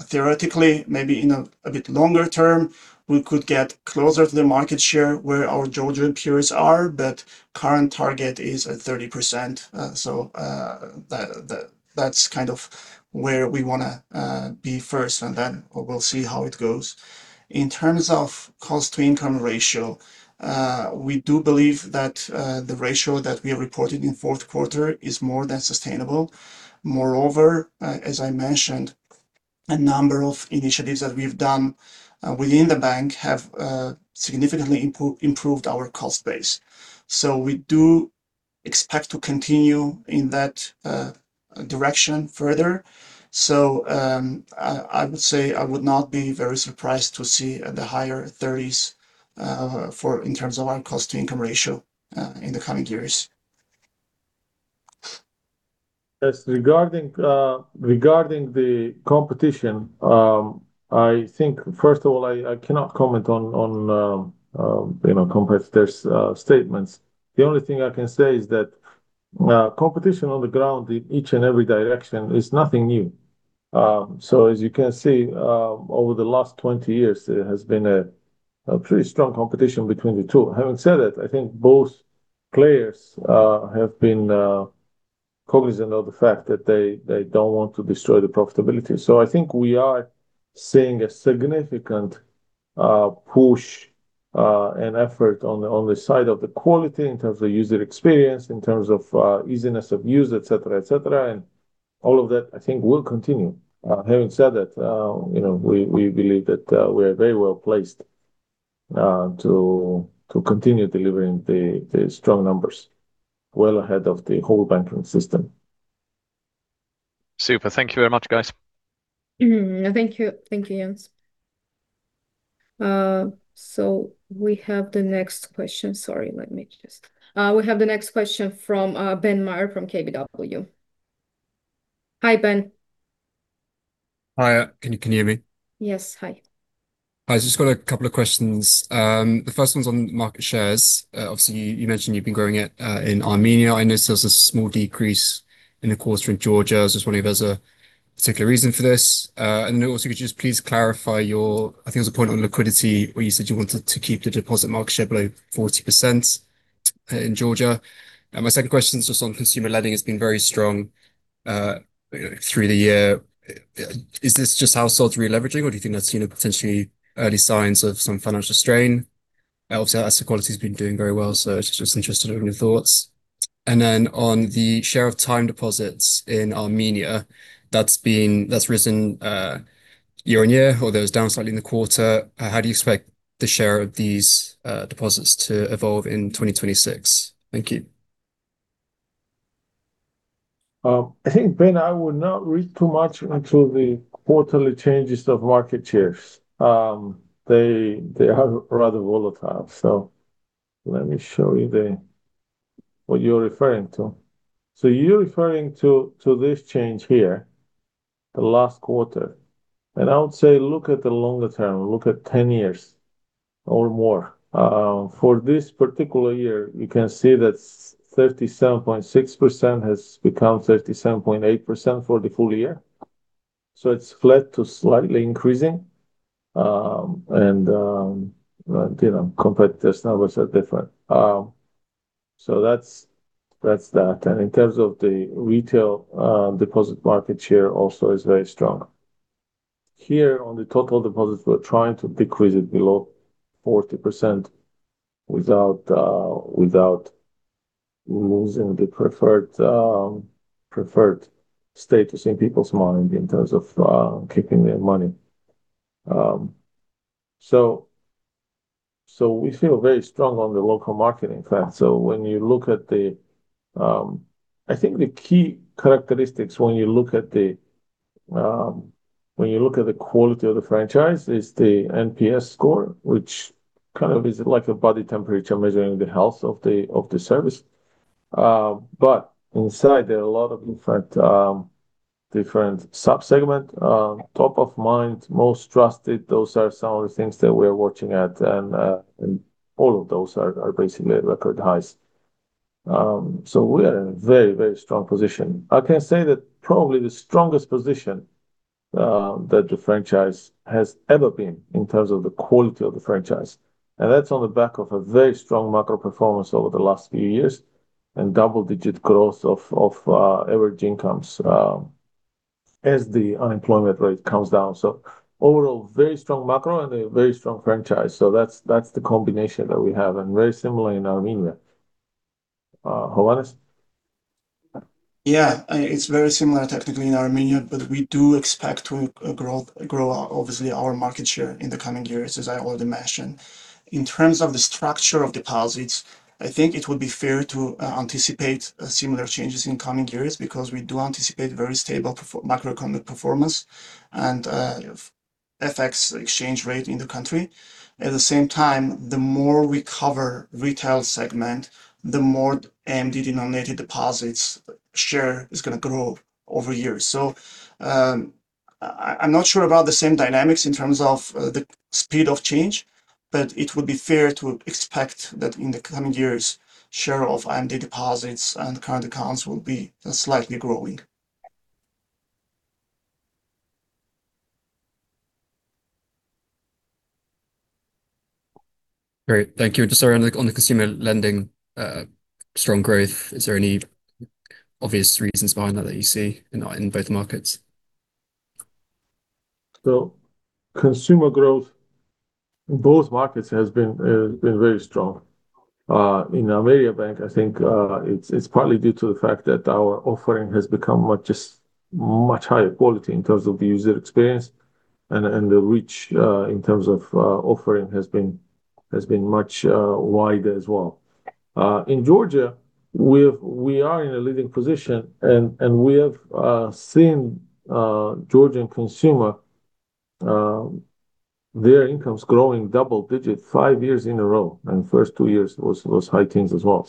theoretically, maybe in a bit longer term, we could get closer to the market share where our Georgian peers are, but current target is at 30%. That's kind of where we wanna be first, and then we'll see how it goes. In terms of cost-to-income ratio, we do believe that the ratio that we are reporting in Q4 is more than sustainable. Moreover, as I mentioned, a number of initiatives that we've done within the bank have significantly improved our cost base. We do expect to continue in that direction further. I would say, I would not be very surprised to see the higher thirties in terms of our cost-to-income ratio in the coming years. As regarding the competition, I think, first of all, I cannot comment on, you know, competitors' statements. The only thing I can say is that competition on the ground in each and every direction is nothing new. As you can see, over the last 20 years, there has been a pretty strong competition between the two. Having said that, I think both players have been cognizant of the fact that they don't want to destroy the profitability. I think we are seeing a significant push and effort on the side of the quality in terms of user experience, in terms of easiness of use, et cetera, et cetera, and all of that, I think, will continue. Having said that, you know, we believe that we are very well placed to continue delivering the strong numbers well ahead of the whole banking system. Super. Thank you very much, guys. Thank you. Thank you, Jens. We have the next question. We have the next question from, Ben Meyer from KBW. Hi, Ben. Hi. Can you hear me? Yes. Hi. I've just got a couple of questions. The first one's on market shares. Obviously, you mentioned you've been growing it in Armenia. I noticed there's a small decrease in the quarter in Georgia. I was just wondering if there's a particular reason for this? Also, could you just please clarify I think it was a point on liquidity, where you said you wanted to keep the deposit market share below 40% in Georgia. My second question is just on consumer lending has been very strong through the year. Is this just households re-leveraging, or do you think that's, you know, potentially early signs of some financial strain? Obviously, asset quality has been doing very well, so I was just interested in your thoughts. On the share of time deposits in Armenia, that's risen, year-on-year, although it was down slightly in the quarter. How do you expect the share of these deposits to evolve in 2026? Thank you. I think, Ben, I would not read too much into the quarterly changes of market shares. They are rather volatile. Let me show you what you're referring to. You're referring to this change here, the last quarter, and I would say, look at the longer term, look at 10 years or more. For this particular year, you can see that 37.6% has become 37.8% for the full year, so it's flat to slightly increasing. And, you know, competitor numbers are different. That's that. In terms of the retail deposit market share also is very strong. Here, on the total deposits, we're trying to decrease it below 40% without losing the preferred preferred status in people's mind in terms of keeping their money. We feel very strong on the local market, in fact. I think the key characteristics, when you look at the quality of the franchise, is the NPS score, which kind of is like a body temperature, measuring the health of the service. Inside, there are a lot of different subsegment, top of mind, most trusted. Those are some of the things that we're watching at, and all of those are basically at record highs. We are in a very, very strong position. I can say that probably the strongest position, that the franchise has ever been in terms of the quality of the franchise, and that's on the back of a very strong macro performance over the last few years, and double-digit growth of average incomes, as the unemployment rate comes down. Overall, very strong macro and a very strong franchise, that's the combination that we have. Very similar in Armenia. Hovhannes? It's very similar technically in Armenia, but we do expect to grow obviously our market share in the coming years, as I already mentioned. In terms of the structure of deposits, I think it would be fair to anticipate similar changes in coming years, because we do anticipate very stable macroeconomic performance and FX exchange rate in the country. At the same time, the more we cover retail segment, the more AMD-denominated deposits share is gonna grow over years. I'm not sure about the same dynamics in terms of the speed of change, but it would be fair to expect that in the coming years, share of AMD deposits and current accounts will be slightly growing. Great, thank you. Just sorry, on the consumer lending, strong growth, is there any obvious reasons behind that you see in both markets? Consumer growth in both markets has been very strong. In Ameriabank, I think it's partly due to the fact that our offering has become just much higher quality in terms of the user experience and the reach in terms of offering has been much wider as well. In Georgia, we are in a leading position, and we have seen Georgian consumer, their incomes growing double-digit five years in a row, and first two years was high teens as well.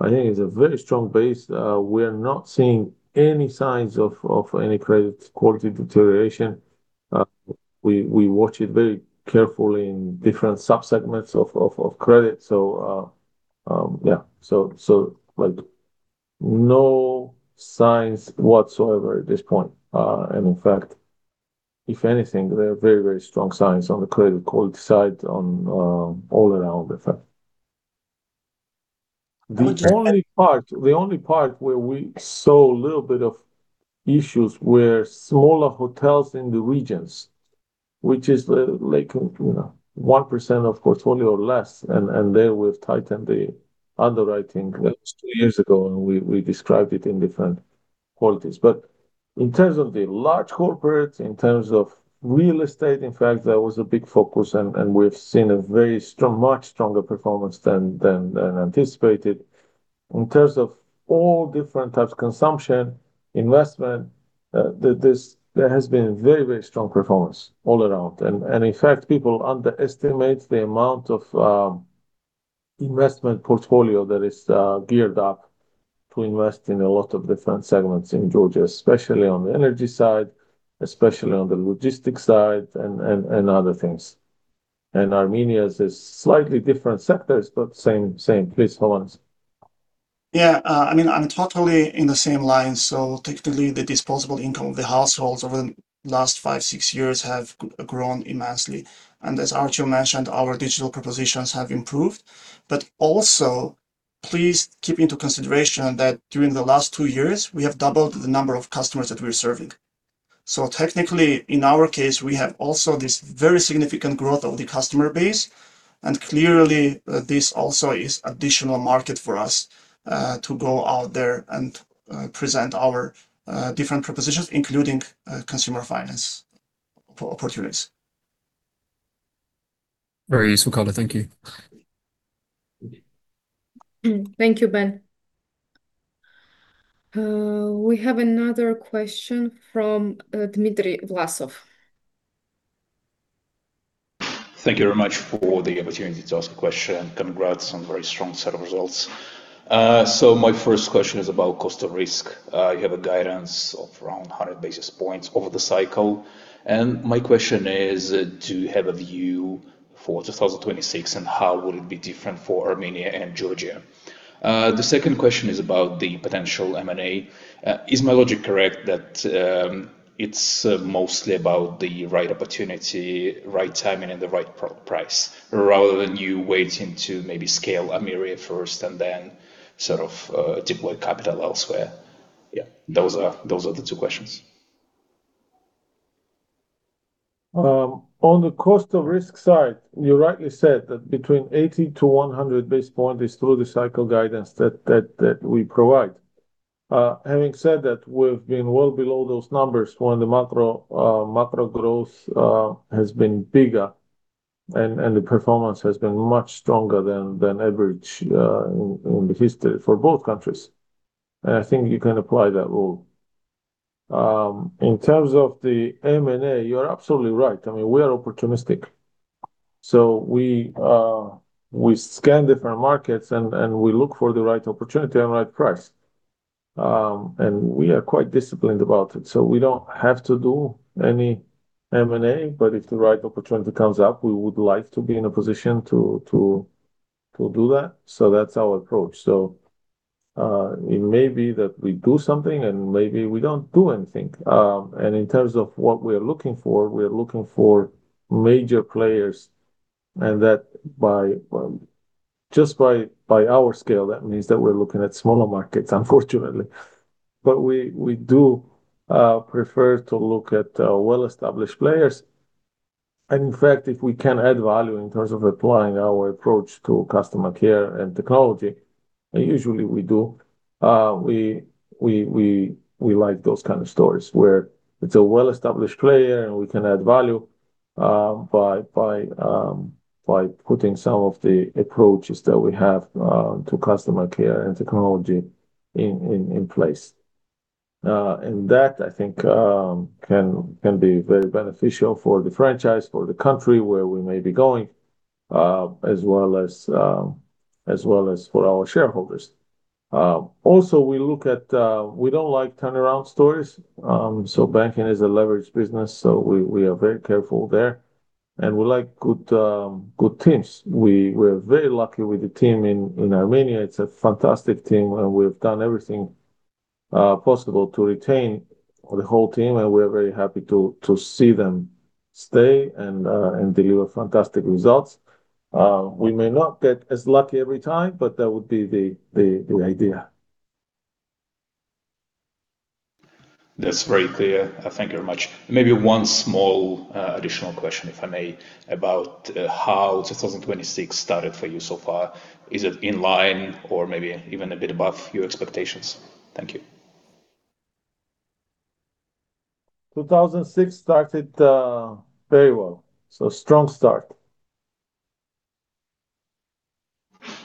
I think it's a very strong base. We're not seeing any signs of any credit quality deterioration. We watch it very carefully in different subsegments of credit, yeah, so, like, no signs whatsoever at this point. In fact, if anything, there are very strong signs on the credit quality side on, all around, in fact. Well. The only part where we saw a little bit of issues were smaller hotels in the regions, which is, like, you know, 1% of portfolio or less, and there we've tightened the underwriting two years ago, and we described it in different qualities. In terms of the large corporates, in terms of real estate, in fact, that was a big focus, and we've seen a much stronger performance than anticipated. In terms of all different types of consumption, investment, there has been very strong performance all around, and in fact, people underestimate the amount of investment portfolio that is geared up to invest in a lot of different segments in Georgia, especially on the energy side, especially on the logistics side, and other things. Armenia is a slightly different sectors, but same. Please, Hovhannes. Yeah, I mean, I'm totally in the same line. Technically, the disposable income of the households over the last five, six years have grown immensely. As Arturo mentioned, our digital propositions have improved. Also, please keep into consideration that during the last two years, we have doubled the number of customers that we're serving. Technically, in our case, we have also this very significant growth of the customer base, and clearly, this also is additional market for us to go out there and present our different propositions, including consumer finance opportunities. Very useful. Thank you. Thank you, Ben. We have another question from Dmitry Vlasov. Thank you very much for the opportunity to ask a question. Congrats on a very strong set of results. My first question is about cost of risk. You have a guidance of around 100 basis points over the cycle. My question is, do you have a view for 2026, how will it be different for Armenia and Georgia? The second question is about the potential M&A. Is my logic correct that it's mostly about the right opportunity, right timing, the right price, rather than you waiting to maybe scale Amiria first, then, sort of, deploy capital elsewhere? Those are the two questions. On the cost of risk side, you rightly said that between 80 to 100 basis point is through the cycle guidance that we provide. Having said that, we've been well below those numbers when the macro macro growth has been bigger and the performance has been much stronger than average in the history for both countries, and I think you can apply that rule. In terms of the M&A, you are absolutely right. I mean, we are opportunistic. We scan different markets, and we look for the right opportunity and right price. We are quite disciplined about it, so we don't have to do any M&A, but if the right opportunity comes up, we would like to be in a position to do that. That's our approach. It may be that we do something, and maybe we don't do anything. In terms of what we're looking for, we're looking for major players, and that by, just by our scale, that means that we're looking at smaller markets, unfortunately. We do prefer to look at well-established players, and in fact, if we can add value in terms of applying our approach to customer care and technology, and usually we do, we like those kind of stores, where it's a well-established player, and we can add value, by putting some of the approaches that we have to customer care and technology in place. That, I think, can be very beneficial for the franchise, for the country where we may be going, as well as for our shareholders. We look at, we don't like turnaround stories. Banking is a leveraged business, so we are very careful there. We like good teams. We're very lucky with the team in Armenia. It's a fantastic team. We've done everything possible to retain the whole team. We're very happy to see them stay and deliver fantastic results. We may not get as lucky every time, that would be the idea. That's very clear. Thank you very much. Maybe one small additional question, if I may, about how 2026 started for you so far. Is it in line or maybe even a bit above your expectations? Thank you. 2006 started, very well. Strong start.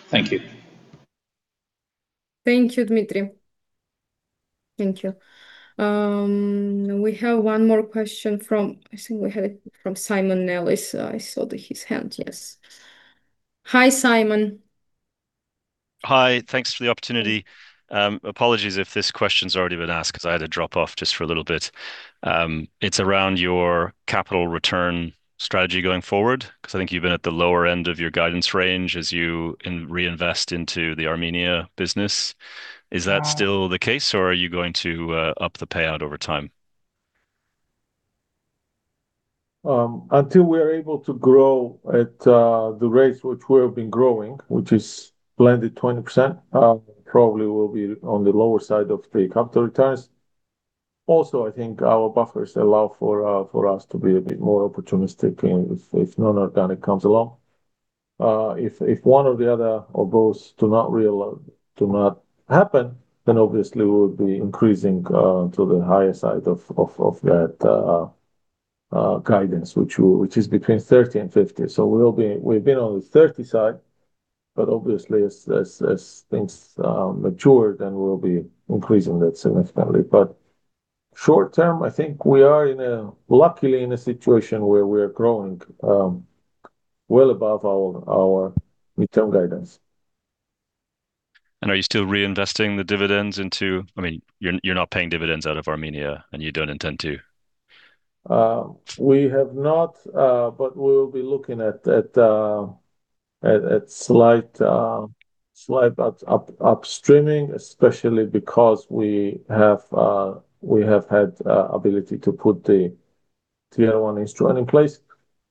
Thank you. Thank you, Dmitry. Thank you. We have one more question. I think we had it from Simon Nellis. I saw his hand. Yes. Hi, Simon. Hi, thanks for the opportunity. Apologies if this question's already been asked, 'cause I had to drop off just for a little bit. It's around your capital return strategy going forward, 'cause I think you've been at the lower end of your guidance range as you reinvest into the Armenia business. Um- Is that still the case, or are you going to up the payout over time? Until we are able to grow at the rates which we have been growing, which is blended 20%, probably will be on the lower side of the capital returns. I think our buffers allow for us to be a bit more opportunistic if non-organic comes along. If one or the other or both do not happen, obviously we'll be increasing to the higher side of that guidance, which is between 30 and 50. We've been on the 30 side, obviously as things mature, we'll be increasing that significantly. Short term, I think we are in a luckily in a situation where we are growing well above our midterm guidance. Are you still reinvesting the dividends into, I mean, you're not paying dividends out of Armenia, and you don't intend to? We have not, but we will be looking at slight upstreaming, especially because we have had ability to put the Tier one instrument in place,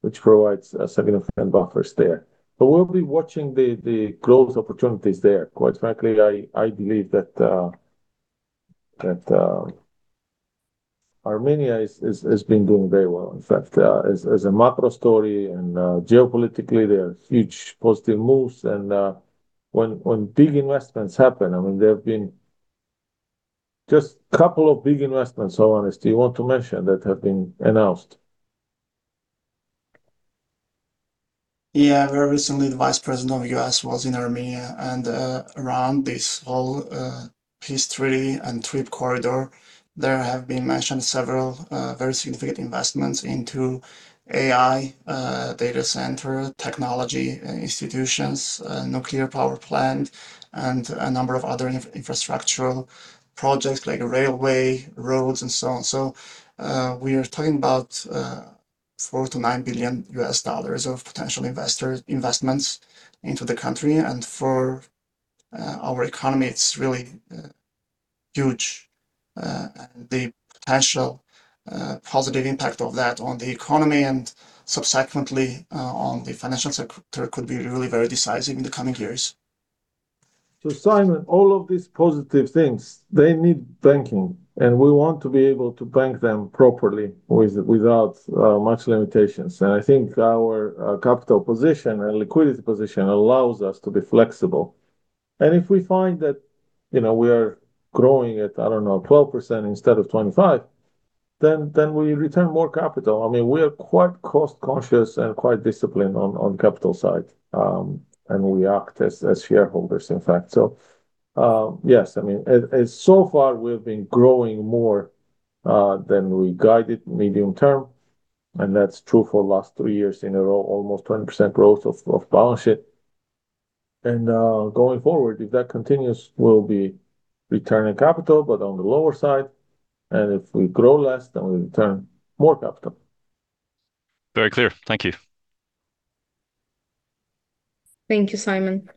which provides significant buffers there. We'll be watching the growth opportunities there. Quite frankly, I believe that Armenia is been doing very well. In fact, as a macro story and geopolitically, there are huge positive moves, and when big investments happen, I mean, there have been just couple of big investments, so honestly, you want to mention that have been announced? Yeah. Very recently, the Vice President of U.S. was in Armenia, around this whole Peace Three and Trip Corridor, there have been mentioned several very significant investments into AI, data center, technology and institutions, nuclear power plant, and a number of other infrastructural projects, like railway, roads, and so on. We are talking about $4 billion-$9 billion of potential investor investments into the country, for our economy, it's really huge. The potential positive impact of that on the economy and subsequently on the financial sector, could be really very decisive in the coming years. Simon, all of these positive things, they need banking, and we want to be able to bank them properly without much limitations. I think our capital position and liquidity position allows us to be flexible. If we find that, you know, we are growing at, I don't know, 12% instead of 25, then we return more capital. I mean, we are quite cost-conscious and quite disciplined on capital side, and we act as shareholders, in fact. Yes, I mean, and so far, we've been growing more than we guided medium term, and that's true for last three years in a row, almost 20% growth of balance sheet. Going forward, if that continues, we'll be returning capital, but on the lower side, and if we grow less, then we return more capital. Very clear. Thank you. Thank you, Simon.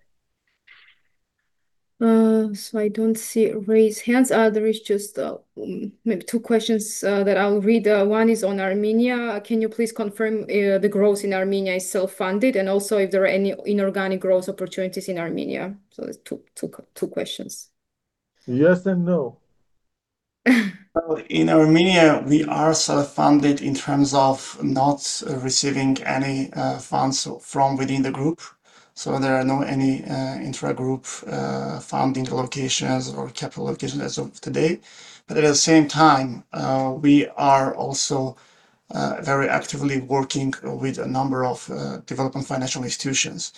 I don't see raised hands. There is just maybe two questions that I'll read. One is on Armenia: "Can you please confirm the growth in Armenia is self-funded? Also, if there are any inorganic growth opportunities in Armenia?" That's two questions. Yes and no. Well, in Armenia, we are self-funded in terms of not receiving any funds from within the group. There are no any intra-group funding allocations or capital allocations as of today. At the same time, we are also very actively working with a number of Development Finance Institutions.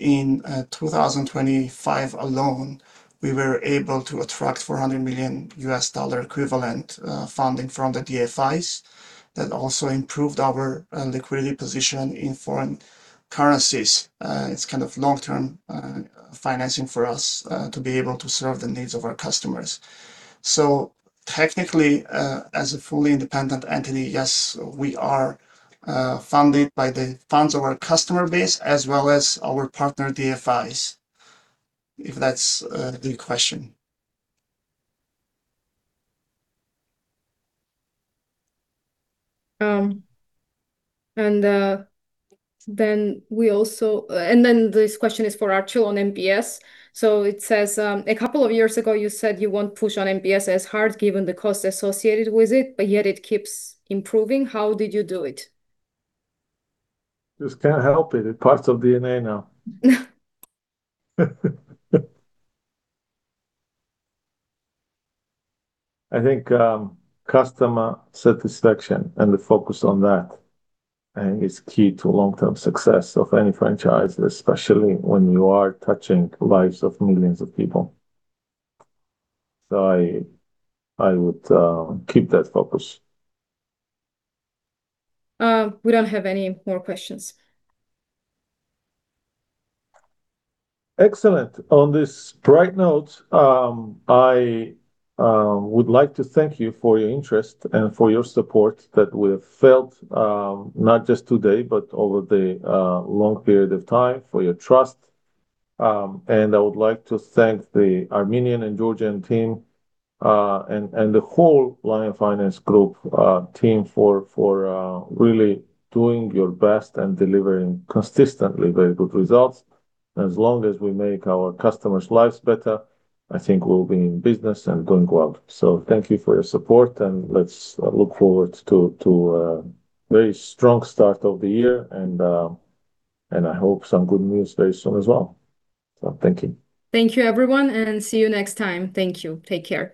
In 2025 alone, we were able to attract $400 million equivalent funding from the DFIs. That also improved our liquidity position in foreign currencies. It's kind of long-term financing for us to be able to serve the needs of our customers. Technically, as a fully independent entity, yes, we are funded by the funds of our customer base as well as our partner DFIs, if that's the question. This question is for Archil on NPS. It says: "A couple of years ago, you said you won't push on NPS as hard, given the costs associated with it, but yet it keeps improving. How did you do it? Just can't help it. It's part of the DNA now. I think, customer satisfaction and the focus on that, I think is key to long-term success of any franchise, especially when you are touching lives of millions of people. I would keep that focus. we don't have any more questions. Excellent. On this bright note, I would like to thank you for your interest and for your support that we have felt, not just today, but over the long period of time, for your trust. I would like to thank the Armenian and Georgian team and the whole Lion Finance Group team for really doing your best and delivering consistently very good results. As long as we make our customers' lives better, I think we'll be in business and doing well. Thank you for your support, and let's look forward to a very strong start of the year and I hope some good news very soon as well. Thank you. Thank you, everyone, and see you next time. Thank you. Take care.